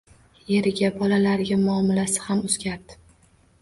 Eriga, bolalariga muomalasi ham o`zgardi